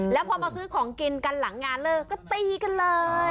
แล้วพอมาซื้อของกินกันหลังงานเลิกก็ตีกันเลย